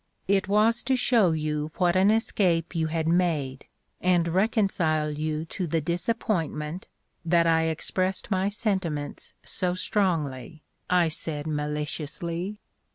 "It was to show you what an escape you had made, and reconcile you to the disappointment, that I expressed my sentiments so strongly," I said maliciously.